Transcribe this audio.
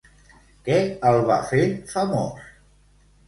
Què el va fer famós?